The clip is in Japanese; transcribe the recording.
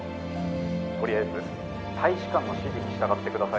とりあえず大使館の指示に従ってください。